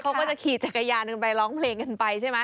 เขาก็จะขี่จักรยานกันไปร้องเพลงกันไปใช่ไหม